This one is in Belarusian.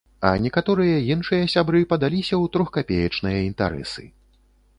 А некаторыя іншыя сябры падаліся ў трохкапеечныя інтарэсы.